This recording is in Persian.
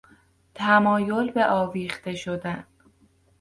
تمایل به آویخته شدن